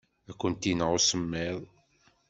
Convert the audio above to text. Ad kent-ineɣ usemmiḍ.